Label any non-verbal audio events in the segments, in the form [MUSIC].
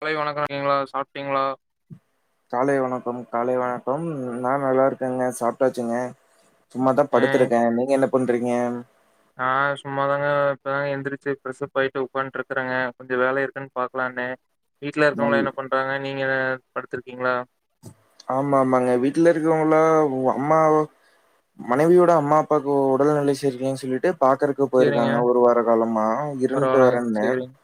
காலை வணக்கம்க்கீங்களா சாப்டீங்ளா காலை வணக்கம் காலை வணக்கம் நா நல்லாருக்கேங்க சாப்டாச்சுங்க சும்மாதா ஆ படுத்துருக்கே நீங்க என்ன பண்றீங்க நா சும்மாதாங்க இப்பதங்க எந்துருச்சு ஃப்ரஷப்பாயிட்டு உக்காட்டுருக்கறேங்க கொஞ்சோ வேல இருக்குன்னு பாக்கலான்னு வீட்ல நல் இருக்கவங்களா என்ன பண்றாங்க நீங்க என்ன படுருத்திருக்கீங்களா ஆமாமாங்க வீட்ல இருக்குறவங்கள அம்மாவோ மனைவியோட அம்மா அப்பாவுக்கு உடல் நெலை செரி இருக்கேன்னு சொல்லிட்டு பாக்குறக்கு க்கு சேரிங்க போயிருக்காங்க ஒரு வாரோ காலமா இருன்ட்டு பரவால்லங்க வரேன்னு சேரிங்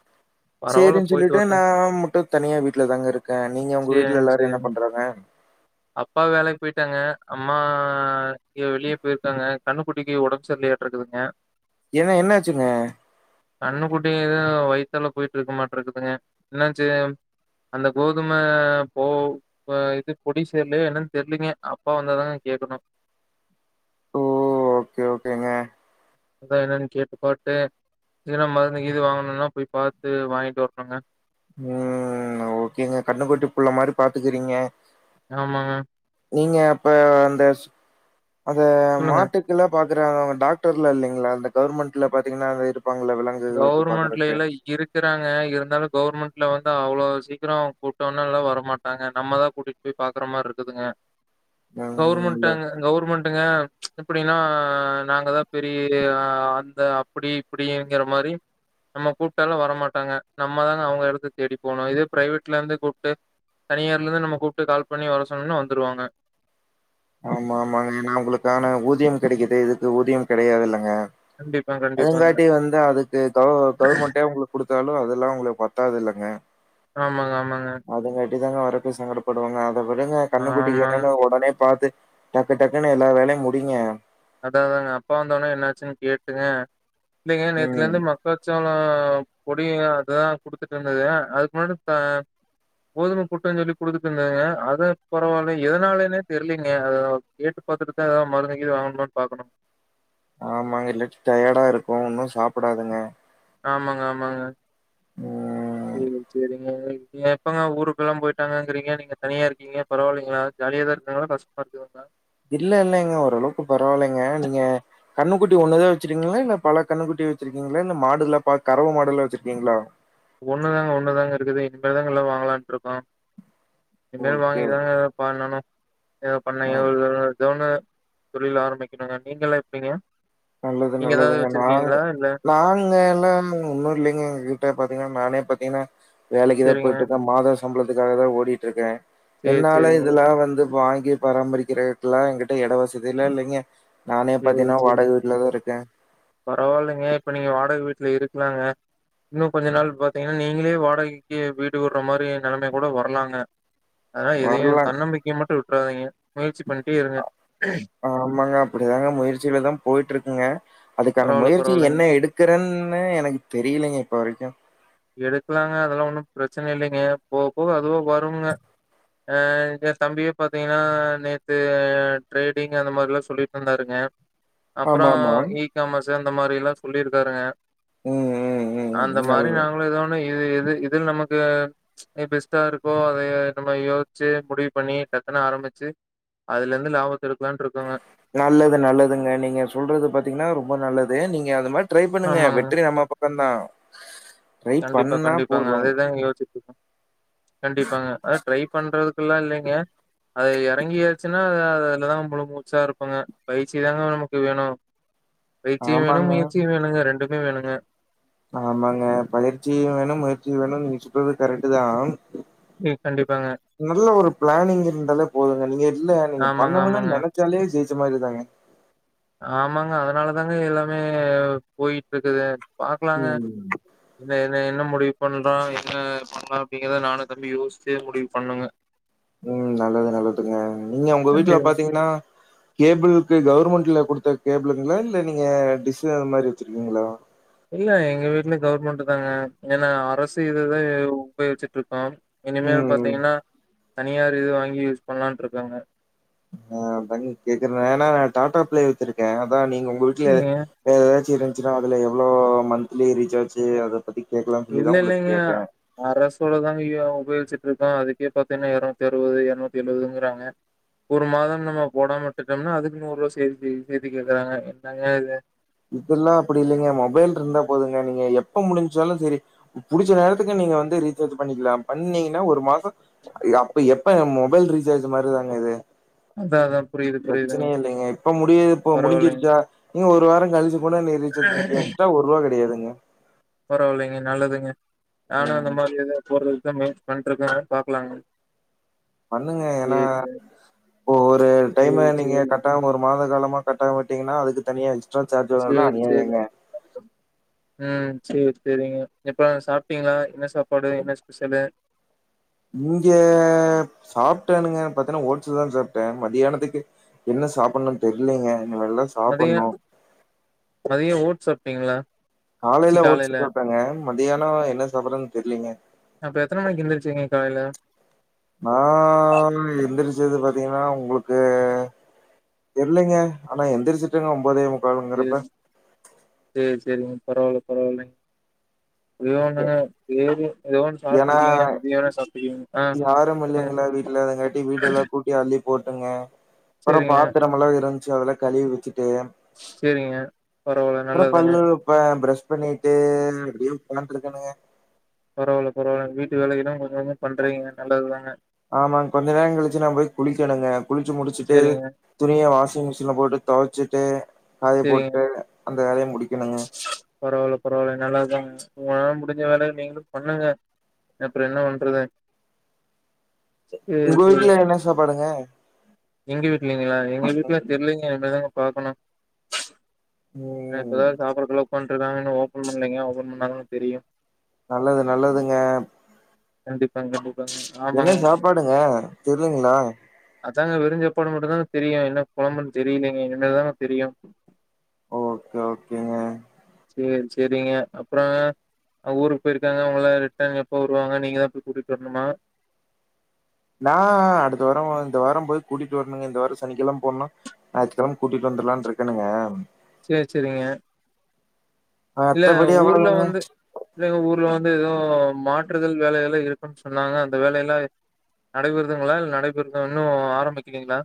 பரவால்ல சேரின்னு போயிட்டு சொல்லிட்டு நா வரட்டுங்க மட்டு தனியா வீட்ல தாங்க இருக்கே நீங்க உங்க வீட்ல சேரிங்க எல்லாரு என்ன சேரிங் பண்றாங்க அப்பா வேலைக்கி போயிட்டாங்க அம்மா வெளியே போயிருக்காங்க கன்னுக்குட்டிக்கி ஒடம்பு செர்லையாட்டுருகுதுங்க ஏங்க என்னாச்சுங்க கன்னுக்குட்டி எதுவு வயித்தால போயிட்டு ருக்க மாட்டுருக்குதுங்க என்னச்சு அந்த கோ இன்னும போ இது பொடி சேர்லயா என்னன்னு தெரியலீங்க அப்பா வந்தாதாங்க கேக்கணு சேர் ஓகேங்க அதா என்னான்னு கேட்டுப்போட்டு ஏன்னா மருந்துக்கு இது வாங்கணுன்னா போய் பாத்து வாங்கிட்டு வரட்டுங்க ம் ஓகேங்க கன்னுக்குட்டி புள்ள மாதிரி பாத்துக்குறீங்க ஆமாங்க நீங்க அப்ப அந்த சு அந்த சொல்லுங்க. மாட்டுக் குள்ள பாக்கறாங்க டாக்டர் இல்லேலைங்களா கவர்மெண்ட்ல பாத்தீங்கனா இருப்பாங்கள விலங் கவர்மெண்ட்லேல்லா இருக்கு குறாங்க இருந்தாலு கவுவர்மெண்ட்ல வந்து அவ்ளோ சீக்கிரோ கூட்டோன்னல்லா வரமாட்டாங்க நம்மதா கூட்டிட் டி பாக்கற மாரி இருக்குதுங்க ம் கவர்மெண்ட் ஆமா. கவுர்மெண்ட்டுங்க இப்பிடின்னா நாங்கதா பெரிய அந்த அப்பிடி இப்பிடி ங்குற மாரி நம்ம கூப்ட்டாலு வரமாட்டாங்க நம்ம தாங்க அவங்க எடுத்து தேடி போணு இதே பிரைவேட்லருந்து கூப்ட்டு தனியார்லருந்து நம்ம கூப்ட்டு கால் பண்ணி வர சொன்னா வந்துருவாங்க ஆமாமாங்க ஏன்னா அவுங்களுக்கான ஊதியோ கெடைக்குது இதுக்கு ஊதியம் கெடையாதுல்லங்க கண்டிப்பா, கண்டிப்பாங்க. அதுங்காட்டி வந்து அதுக்கு க கவர்மெண்டே உங்களுக்கு குடுத்தாலு அதெல்லா உங்களுக்கு பத்தாதுல்லைங்க ஆமாங்க ஆமாங்க அதுங்காட்டி தாங்க வரப்பே சங்கடப்படுவாங்க அத விடுங்க கன்னுக்குட்டிக்கு ஆமாங்க. என்னென்னு ஒடனே பாத்து டக்கு டக்குன்னு எல்லா வேலையு முடியுங்க அதாதாங்க அப்பா வந்தோன்னே என்னாச்சுன்னு கேட்டுங்க இல்லைங்க ம். நேத்துலருந்து மக்காச்சோளோ பொடி அதுதாங்க குடுத்துட்டு இருந்தது அதுக்கு முன்னாடி த போதும புட்டுன் சொல்லி குடுத்துட்டு இருந்தேங்க அது பரவாயில்ல எதனாலனே தெரிலீங்க அததா கேட்டுப்பாத்துட்டுதா ஏதாது மருந்துகிருந்து வாங்கணுன்னு பாக்கணு ஆமாங்க இல்லாட்டி டயர்டா இருக்கு ஒன்னு சாப்புடாதுங்க ஆமாங்க ஆமாங்க ம். சேரிங்க சேரிங்க வெக்கயே இப்பங்க ஊருக்குல்லாம் போயிட்டாங்கிறிங்க நீங்க தனியா இருக்கீங்க பரவால்லைங்ளா ஜாலியா தா இருக்காங்களா கஷ்டமாருக்குதுங்ளா இல்ல இல்லங்க ஓரளவுக்கு பரவால்லைங்க நீங்க கன்னுக்குட்டி ஒன்னுதா வச்சிருக்கீங்களா இல்ல பல கன்னுக்குட்டி வச்சிருக்கீங்களா இல்ல மாடுல்லா ப கரவ மாடுல்லா வச்சிருக்கீங்களா ஒண்ணுதாங்க ஒன்னுதாங்க இருக்குது இனிமேல்தாங்க எல்லா வாங்கலான்ட்டுருக்கோ இனிமேல் ஓகே. வாங்கி தாங்க பண்ணனு எதாத் அ பண்ணயோ இல்ல எதோ ஒன்னு தொழில் ஆரம்பிக்கணுங்க நீங்களா எப்பிடிங்க நல்லது நல்லதுங்க நாங் இல்ல நாங்க எல்லா இன்னு இல்லைங்க எங்க கிட்ட பாத்தீங்கன்னா நானே பாத்தீங்கன்னா வேலைக்கு தா சரிங்க. போயிட்டுக்கே மாத சம்பளத்துக்காக தா ஓடிட்டு இருக்கே சரி, என்னால சரிங்க. இதெல்லா வந்து வாங்கி பராமரிக்கிறக்கல்லா என்கிட்ட எட வசதியில இல்லைங்க நானே பாத்தீங்கன்னா வாடகை வீட்ல தா இருக்கே பரவாயில்லைங்க இப்ப நீங்க வாடகை வீட்ல இருக்கலாங்க இன்னு கொஞ்ச நாள் பாத்தீங்கன்னா நீங்களே வாடகைக்கு வீடு உடுற மாரி நெலைமை கூட வரலாங்க அதலா எதையு வரலாம் தன்னம்பிக்கையை மட்டு விட்றாதீங்க முயற்ச்சி பண்ணிட்டே இருங்க ஆமாங்க அப்டிதாங்க முயற்சியிலதா போயிட்டு இருக்குங்க அதுக்கான பரவால்ல, முயற்சி பரவாயில்லங்க. என்ன எடுக் கிறேன்னு எனக்கு தெரியலங்க இப்போ வரைக்கு எடுக்கலாங்க அதெல்லா ஒன்னும் பிரச்சனை இல்லைங்க போக போக அதுவோ வரும்ங்க அ எ தம்பிய பாத்தீங்கன்னா நேத்து ட்ரேடிங் அந்த மாரிலா சொல்லிட்டு இருந்தாருங்க அப்பற ஆமாமா. ஈகாமஸ்ஸு அந்த மாரில்லா சொல்லிருக்காருங்க ம் ம் ம் அந்த ம் நல் மாரி நாங்களு எத ஒண்ண இது இது இதுல நமக்கு எ பெஸ்ட்டா இருக்கோ அதை நம்ம யோசிச்சு முடிவு பண்ணி டக்குனு ஆரம்பிச்சு அதுல இருந்து லாபத்த எடுக்கலான்னுட்டு இருக்கங்க நல்லது நல்லதுங்க நீங்க சொல்றது பாத்தீங்கன்னா ரொம்ப நல்லது நீங்க அது மா ட்ரை பண்ணுங்க ஆமாங்க. வெற்றி நம்ம பக்க தா கண்டிப்பா கண்டிப்பாங்க அதேதா யோசிச்சி இருக்கோம் கண்டிப்பாங்க அத ட்ரை பண்றது அப்பில்லா இல்லைங்க அது எறங்கியாச்சுன்னா அதுலதா முழு மூச்சா இருப்பங்க பயிற்சி தாங்க நமக்கு வேணு பயிற்சியும் வேணும் ஆமாங்க, முயற்சியும் வேணுங்க ரெண்டுமே வேணுங்க ஆமாங்க பயிற்சியு வேணும் முயற்சியு வேணும்னு நீங்க சொல்றது கரெக்ட் தா ம் கண்டிப்பாங்க. நல்ல ஒரு பிளானிங் இருந்தாலே போதுங்க நீங்க இல்ல நீங்க ஆமாங்க, பண்ண வேனான்னு ஆமாங்க. நெனைச் சாளே ஜெய்ச்ச மாரி தாங்க ஆமாங்க அதனால தாங்க எல்லாமே போயிட்டு இருக்குது பாக்கலாங்க ம் என்ன என்ன என்ன முடிவு பண்றோ என்ன பண்ணலா அப்டிங்கறத நானு தம்பி யோசிச்சு முடிவு பண்ணுங்க ம் நல்லது நல்லதுங்க நீங்க உங்க வீட்ல கண்டி பாத்தீங்கன்னா கேபிளுக்கு கவர்மெண்ட்ல குடுத்த கேபிளுங்களா இல்ல நீங்க டிசு அந்த மாரி வச்சிருக்கீங்களா இல்ல எங்க வீட்லயு கவுவர்மெண்ட் தாங்க ஏன்னா அரசு இதுதா உபயோகிச்சிட்டு இருக்கோ இனிமேல் ம். பாத்தீங்கன்னா தனியார் இது வாங்கி யூஸ் பண்ணலாண்டு இருக்கங்க ஆ பன்னி கேக்குறே ஏன்னா நான் டாடா ப்ளே வச்சிருக்கே அதா நீங்க உங்க வீட்ல சரிங்க. ஏதாச்சு இருந்துச்சுன்னா அதுல எவ்வளோ மந்த்லி ரீசார்ஜு அத பத்தி கேட்கலாம்னு சொல்லிதான் உங்களுக்கு கேட்டே அரசோடதா உபயோச்சிட்டு இருக்கே அதுக்கே பாத்தீங்கன்னா எரநூத்தி அறுபது எரநூத்தி எழுபதுங்கறாங்க ஒரு மாதம் நம்ம போடாம விட்டுட்டோம்னா அதுக்கு நூறுவ சேத்து சேத்து கேக்குறாங்க என்னங்க இது இப்பல்லா அப்டி இல்லைங்க மொபைல் இருந்தா போதுங்க நீங்க எப்ப முடிஞ்சாலு சரி புடிச்ச நேரத்துக்கு நீங்க வந்து ரீசார்ஜ் பண்ணிக்கலா பண்ணீங்கன்னா ஒரு மாசம் அப்ப எப்ப மொபைல் ரீசார்ஜ் மாரி தாங்க இது அதான் அதான் புரியுது புரியுதுங்க. பிரச்சனையே இல்லைங்க இப்ப முடிய இப்ப பரவாயில்லைங்க. முடிஞ்சிருச்சா நீங்க ஒரு வாரம் கழிச்சு கூட [UNINTELLIGIBLE] [UNINTELLIGIBLE] நீ பண்ணிக்க எக்ஸ்ட்ரா ஒருபா கெடையாதுங்க பரவாயில்லைங்க நல்லதுங்க நானு அந்த ம் மாரியே தா போறதுக்குதா முயற்சி பண்ணிட்டு இருக்கங்க பாக்கலாங்க பண்ணுங்க ஏன்னா ஒரு டைம் சரி, நீங்க சரிங்க. காட்டாம ஒரு மாத காலமா கட்டாம விட்டீங்கன்னா அதுக்கு தனியா சார்ஜ் வரும்ல சேரி அநியாயங்க சேரிங்க ம் சேரி சேரிங்க எப்ப சாப்பிட்டீங்களா என்ன சாப்பாடு என்ன ஸ்பெஷலு இங்க சாப்ட்டேனுங்க பாத்தீன்னா ஓட்ஸ் தா சாப்ட்ட மதியானத்துக்கு என்ன சாப்பணுன் தெர்லைங்க இனிமல் தா மதிய சாப்புட்ணு மதியோ ஓட்ஸ் சாப்டீங்ளா காலைல ஓட்ஸ்சு சாப்டங்க மதியானோ என்ன சாப்பரன் தெர்லீங்க அப்ப எத்தன மணிக்கு எந்திருச்சிங்க காலைல நான் எந்திரிச்சது பார்த்தீங்கன்னா உங்களுக்கு தெர்லைங்க ஆனா எந்திரிச்சுட்டங்க ஒன்பதே சேர் சேர் செரிங்க பரவாயில்ல பரவால்லைங் அதுவே எ ஒன்னுங்க பேரு ஏன்னா ஆ. யாரும் சொல்லுங்க. இல்லைங்களா வீட்ல வரங்காட்டி வீடு எல்லா கூட் டி அள்ளி போட்டுங்க அப்புறோ சரிங்க, பாத்தரமல்லா இருந்ச்சு அதெல்லா கழுவி வச்சுட்டு செரிங்க பரவால்ல நல்லதுங்க இப்ப ப்ரஷ் பண்ணிட்டு அப்டியே உட்காந்துட்ருக்கனுங்க பரவால்ல பரவால்ல வீட்டு வேலைகளா கொஞ்சோ பண்றீங்க நல்லது தாங்க ஆமாங் கொஞ்ச நேர கழிச்சு நா போய் குளிக்கணுங்க குளிச்சு முடிச்சுட்டு சரிங்க, துணிய வாஷிங் மிஷின்ல போட்டு தொவச்சிட்டு காய சரிங்க. போட்டு அந்த வேலையு முடிக்கணுங்க பரவால்ல பரவால்ல நல்லது தாங்க உங்களால முடிஞ்ச வேல நீங்களு பண்ணுங்க அப்புற என்னா பண்றது சரி, உங்க சரி. வீட்ல என்ன சாப்பாடுங்க எங்க வீட்லைங்களா எங்க வீட்ல தெர்லிங்க இனிமே தாங்க பாக்கணு ம் அ இப்பதா சாப்பாடுகுள்ள உக்கான்ட்ருக்காங்க இன்னு ஒபன் பண்லைங்க ஓபன் பண்ண தாங்க தெரியு நல்லது நல்லதுங்க கண்டிப்பாங் கண்டிப்பாங்க என்ன ஆமாங்க. சாப்பாடுங்க தெர்லிங்ளா அதாங்க வெறு சாப்பாடு மட்டு தாங்க தெரியு என்ன கொழம்புன் தெரிலைங்க இனிமேல் தா தெரியு ஓகே ஓகேங் சேர் செரிங்க அப்புறங்க அவுங்க ஊருக்கு போயிருக்காங்க அவங்ள ரிட்டர்ன் எப்போ வருவாங்க நீங்க தா போய் கூட்டிட் வர்ணுமா நா அடுத்த வாரோ இந்த வாரம் போய் கூட்டிட் வர்ணுங்க இந்த வாரோ சனிக்கிழம போன்னா ஞாயித்கிழம கூட்டிட் வந்துர்லான் இருக்கனுங்க சேர் செரிங்க இல்ல மத்தபடி ஊர்ல அவ்ளோதாங்க வந்து இல்லங்க ஊர்ல வந்து ஏதோ மாற்றுதல் வேலைகள்ல இருக்குன் சொன்னாங்க அந்த வேலை எல்லா நடைபெறுதுங்ளா இல்ல நடைபெறுது இன்னு ஆரம்பிக்ளீங்ளா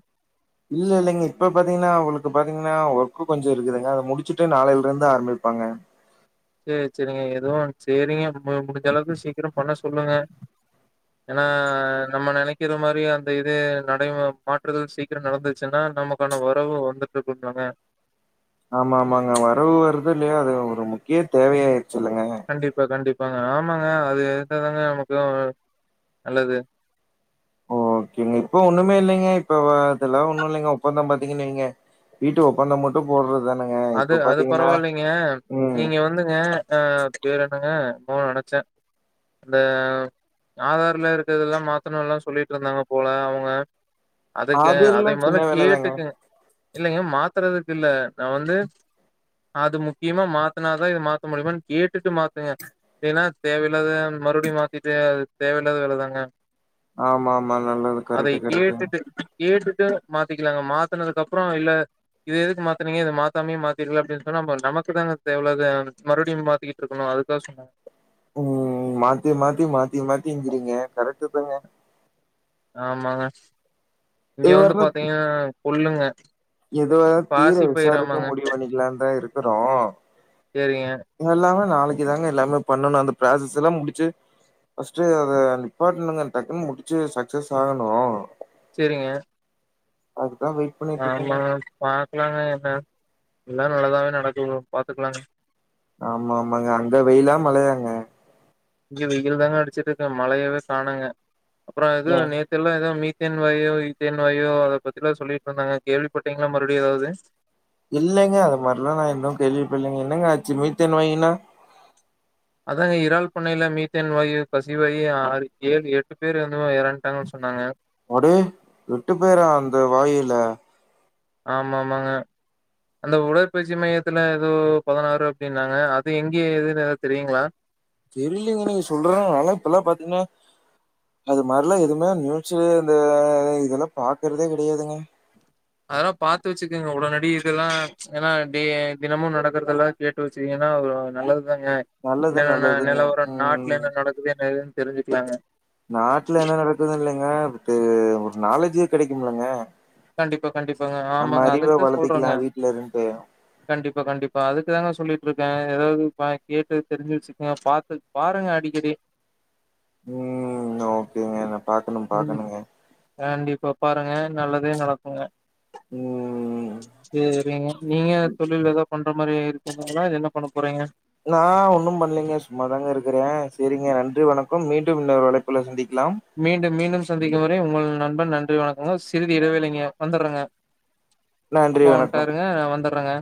இல்ல இல்லைங்க இப்ப பாத்தீங்கன்னா அவுங்களுக்கு பாத்தீங்கன்னா ஒர்க்கு கொஞ்சோ இருக்குதுங்க அத முடிச்சுட்டு நாளையில் இருந்து ஆரம்பிப்பாங்க சேர் செரிங்க எதுவு செரிங்க முடிஞ்ச அளவுக்கு சீக்கிரம் பண்ண சொல்லுங்க ஏன்னா நம்ம நெனைக்கிற மாரி அந்த இது நடை மாற்றுதல் சீக் கிர நடந்துச்சுன்னா நமக்கான வரவு வந்துட்ருக்கும் இல்லங்க ஆமா ஆமாங்க வரவு வருதோ இல்லையோ அது ஒரு முக்கிய தேவையாயிடுச்சு இல்லங்க கண்டிப்பா கண்டிப்பாங்க ஆமாங்க அது இருந்த தாங்க நமக்கு நல்லது ஓகேங்க இப்ப ஒண்ணுமே இல்லைங்க இப்ப அதெல்ல ஒன்னு இல்லைங்க ஒப்பந்தா பாத்தீங்க நீங்க வீட்டு பண மட்டு போட்றது தானுங்க அது இப்போ அது பாத்தீங்கன்னா பரவாயில்லைங்க. ம் நீங்க வந்துங்க ஆ பேரு என்னங்க என்னமோ நெனச்ச இந்த ஆதார்ல இருக்கதெல்லா மாத்துணு எல்லா சொல்லிட்ருந்தாங்க போல அவுங்க அதுக்கு அதை அதெல்லா மொதல்ல சின்ன வேலதாங்க கேட்டுக்குங்க இல்லங்க மாத்துறதுக்கு இல்ல நா வந்து அது முக்கியமா மாத்தினாதா இது மாத்த முடியுமான்னு கேட்டுட்டு மாத்துங்க ஏன்னா தேவையில்லாத மறுபடியு மாத்திட்டு அது தேவையில்லாத வேலதாங்க ஆமா ஆமா நல்லது அதை கரெக்ட் கரெக்ட்ங் கேட்டுட்டு கேட்டுட்டு மாத்திக்கலாங்க மாத்தினது அப்றோ இல்ல இது எதுக்கு மாத்த த்தனைங்க இது மாத்தாமே மாத்திருக்கலா அப்டின்னு சொன்னா நம்மக்குதாங்க தேவ இல்லாதா மறுபடியு மாத்திகிட்டு இருக்கணு அதுக்காக சொன்னாங்க ம் மாத்தி மாத்தி மாத்தி மாத்தி இங்கிறீங்க கரெக்ட் தாங்க ஆமாங்க இங்க இது வந்து பாத்தீங்கன்னா கொல்லுங்க எது தீர விசாரிக்க முடிவு பண்ணிக்கலா தா இருக்கிறோ சேரிங்க எல்லாமே நாளிக்கி தாங்க எல்லாமே பண்ணணு அந்த ப்ராசஸ் எல்லா முடிச்சு ஃபஸ்ட்டு அத நிப்பாட்டனுங்க டக்குன்னு முடிச்சு சக்சஸ் ஆகணு சேரிங்க அதுதா வெயி ஆமா பாக்கலாங்க என்ன எல்லா நல்லதாவே நடக்கு பாத்துக்கலாங்க ஆமா ஆமாங்க அந்த வெயிலா மழையாங்க இங்க வெயில் தாங்க அடிச்சிட்டு இருக்கு மழையவே கானங்க அப்றோ இது ஏன்? நே ல்லா ஏதோ மீத்தேன் வாயு ஈத்தேன் வாயு அத பத்திலா சொல்லிட்டு இருந்தாங்க கேள்விப்பட்டீங்களன்னா மறுபடியு ஏதாவது இல்லங்க அது மாதிரிலா நா இன்னு கேள்விப்பட்லங்க என்னங்க ஆச்சு மீத்தேன் வாயுனா அதாங்க இறால் பண்ணையில மீத்தேன் வாயு கசிவாயி ஆறு ஏழு எட்டு பேர் வந்து எறட்டாங்கன்னு சொன்னாங்க அட எட்டு பேரா அந்த வாயுல ஆமா ஆமாங்க அந்த உடற்பயிற்சி மையத்துல ஏதோ பதினாறு அப்டின்னாங்க அது எங்க ஏதுன்னு எதா தெரியுங்களா தெரியலீங்க நீங்க சொல்றனாலா நால்லா இப்பல்லா பாத்தீங்கன்னா அது மாதிரிலா எதுவுமே நூச்சே இந்த இதெல்லா பாக்குறதே கெடையாதுங்க அதெல்லா பாத்து வெச்சுக்கங்க உடனடி இதெல்லா ஏன்னா டே தினமு நடக்கறதெல்லா கேட்டு வெச்சக்கீங்கன்னா ஒரு நல்லதுதாங்க நல்லது என்னன்ன நல்லதுங்க. நிலவரோ நாட்டுல ம். என்ன என்ன எது தெரிஞ்சுக்கலாங்க நாட்டுல என்ன நடக்குது இல்லங்க ஒரு நாலேஜே கெடைக்குமல்லங்க கண்டிப்பா கண்டிப்பாங்க ஆமாங்க அதுக்குதா வளர்த்திக்கலா சொல்றங்க வீட்ல இருந்துட்டு கண்டிப்பா கண்டிப்பா அதுக்கு தாங்க சொல்லிட்டு இருக்கே ஏதாவது கேட்டு தெரிஞ்சு வெச்சுக்க பாத்து பாருங்க அடிக்கடி ம் ஓகேங்க நா பாக்கணு ம். பாக்கணுங்க கண்டிப்பா பாருங்க நல்லதே நடக்குங்க ம் சேரிங்க நீங்க தொழில் எதோ பண்ற மாரி இருக்குங்களா இல்ல என்ன பண்ண போறீங்க நா ஒன்னும் பண்ணலீங்க சும்மாதாங்க இருக்கிறே சேரிங்க நன்றி வணக்கம் மீண்டும் இன்னொரு அழைப்புல சந்திக்கலாம் மீண்டும் மீண்டும் சந்திக்கும் வரை உங்கள் நண்பன் நன்றி வணக்கங்க சிறிது இடைவேளைங்க வந்தறங்க [INAUDIBLE] அப்பா வணக்கம் வன்ட்டாருங்க நா வந்தறங்க